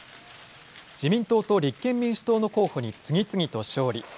自民党と立憲民主党の候補に次々と勝利。